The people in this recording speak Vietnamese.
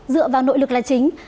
dựa vào nội lực là chính